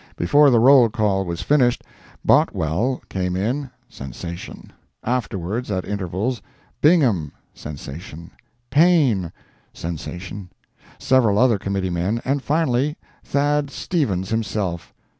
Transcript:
Before the roll call was finished, Boutwell came in [sensation]; afterwards, at intervals, Bingham [sensation], Paine [sensation], several other committee men, and finally Thad. Stevens himself.